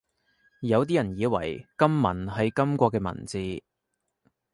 有啲人以為金文係金國嘅文字